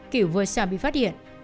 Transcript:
cửu vừa sợ bị phát hiện